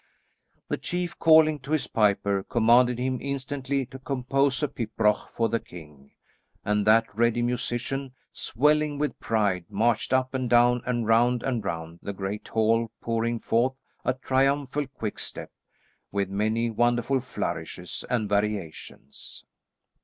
The chief, calling to his piper, commanded him instantly to compose a pibroch for the king, and that ready musician, swelling with pride, marched up and down and round and round the great hall pouring forth a triumphal quickstep, with many wonderful flourishes and variations.